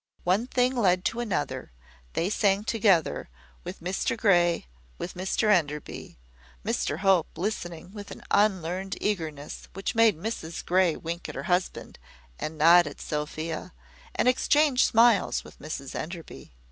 One thing led on to another; they sang together, with Mr Grey, with Mr Enderby; Mr Hope listening with an unlearned eagerness, which made Mrs Grey wink at her husband, and nod at Sophia, and exchange smiles with Mrs Enderby.